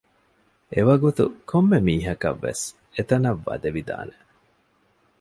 އެވަގުތު ކޮންމެ މީހަކަށްވެސް އެތަނަށް ވަދެވިދާނެ